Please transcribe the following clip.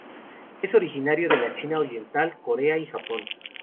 Es originario de la China oriental, Corea y Japón.